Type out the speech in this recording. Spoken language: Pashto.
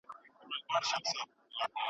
وطن باید په علم او پوهه ودان کړل شي.